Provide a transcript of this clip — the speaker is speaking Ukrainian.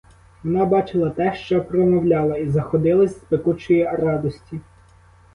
Вона бачила те, що промовляла, і заходилась з пекучої радості.